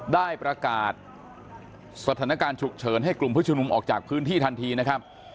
ได้ประกาศสถานการณ์ฉุกเฉินให้กลุ่มผู้ชุมนุมออกจากพื้นที่ทันทีนะครับ